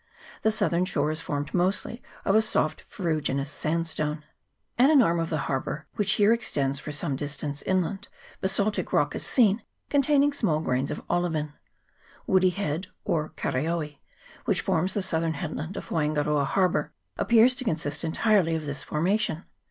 The southern shore is formed mostly of a soft ferruginous sandstone. At an arm of the harbour, which here CHAP. XXII.] WAINGAROA HARBOUR. 305 extends for some distance inland, basaltic rock is seen, containing small grains of olivin. Woody Head, or Karaoe, which, forms the southern head land of Waingaroa Harbour, appears to consist en tirely of this formation.